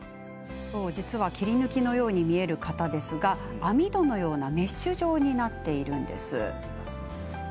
切り抜きのように見える型ですが網戸のようなメッシュ状になっています。